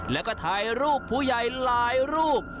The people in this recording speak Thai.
แล้วก็ถ่ายรูปผู้ใหญ่หลายรูป